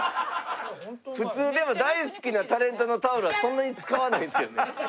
普通でも大好きなタレントのタオルはそんなに使わないんですけどね。